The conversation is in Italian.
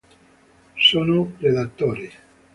Sono predatori.